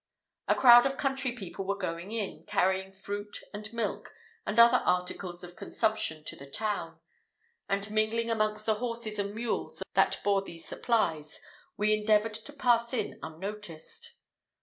A crowd of country people were going in, carrying fruit and milk, and other articles of consumption to the town, and mingling amongst the horses and mules that bore these supplies, we endeavoured to pass in unnoticed.